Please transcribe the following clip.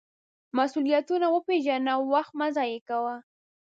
مسؤلیتونه وپیژنه، وخت مه ضایغه کوه.